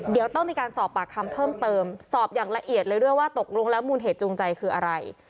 เดี๋ยวต้องมีการสอบปากคำเพิ่มเติมสอบอย่างละเอียดเลยด้วยว่าตกลงแล้วมูลเหตุจูงใจคืออะไร